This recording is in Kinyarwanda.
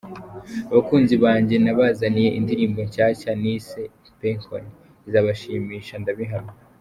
Abakunzi banjye nabazaniye indirimbo nshyashya nise 'Mpe Enkoni' izabashimisha ndabihamya.